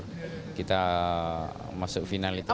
saya sudah masuk final itu